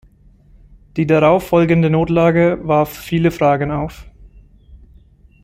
Die darauffolgende Notlage warf viele Fragen auf.